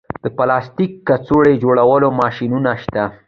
د پلاستیک کڅوړو جوړولو ماشینونه شته